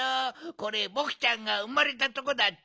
これぼくちゃんがうまれたとこだっちゃ。